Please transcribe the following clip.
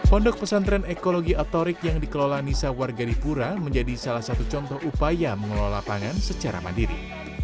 pondok pesantren ekologi atorik yang dikelola nisa warga dipura menjadi salah satu contoh upaya mengelola pangan secara mandiri